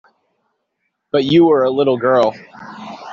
But you were a little girl.